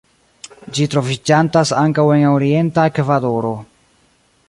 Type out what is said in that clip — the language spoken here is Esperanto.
Ĝi troviĝantas ankaŭ en orienta Ekvadoro.